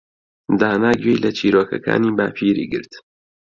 دانا گوێی لە چیرۆکەکانی باپیری گرت.